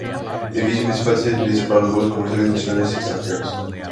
Es el edificio principal que se utiliza para los vuelos comerciales, nacionales y extranjeros.